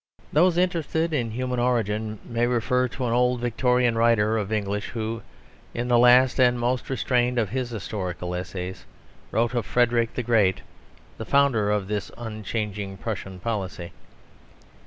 Those interested in human origin may refer to an old Victorian writer of English, who, in the last and most restrained of his historical essays, wrote of Frederick the Great, the founder of this unchanging Prussian policy.